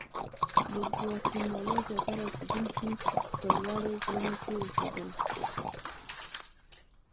د ګواتیمالا زیاتره اوسېدونکي په لوړو غرونو کې اوسېدل.